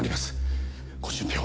ご準備を。